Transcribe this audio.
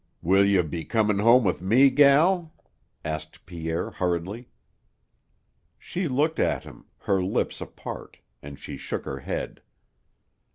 "Will you be comin' home with me, gel?" asked Pierre hurriedly. She looked at him, her lips apart, and she shook her head.